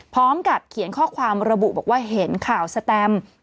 พร้อมกับเขียนข้อความระบุบอกว่าเห็นข่าวสแตม